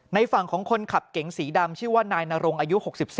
ฝั่งของคนขับเก๋งสีดำชื่อว่านายนรงอายุ๖๒